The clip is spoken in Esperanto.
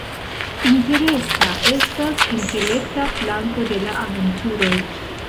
Interesa estas intelekta flanko de la aventuroj.